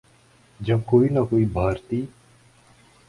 جب کوئی نہ کوئی بھارتی